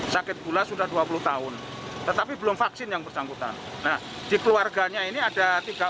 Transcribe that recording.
sakit gula sudah dua puluh tahun tetapi belum vaksin yang bersangkutan nah di keluarganya ini ada tiga